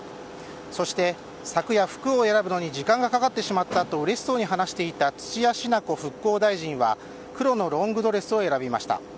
そして昨夜、服を選ぶのに時間がかかってしまったとうれしそうに話していた土屋品子復興大臣は黒のロングドレスを選びました。